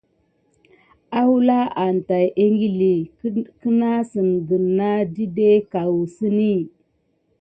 Awula an tät ikili kena sikina didé kaouzeni.